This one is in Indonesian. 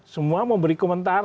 semua memberi komentar